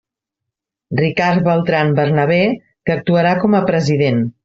Ricard Beltran Bernabé, que actuarà com a president.